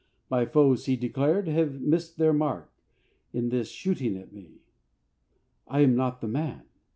"My foes," he declared, "have missed their mark in this shooting at me. I am not the man.